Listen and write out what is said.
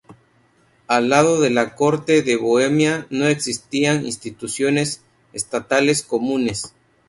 Al lado de la corte de Bohemia no existían instituciones estatales comunes.